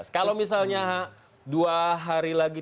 kalau misalnya dua hari lagi